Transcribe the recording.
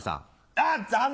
あっ残念！